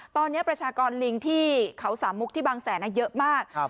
ตอนนี้ประชากรลิงที่เขาสามมุกที่บางแสนเยอะมาก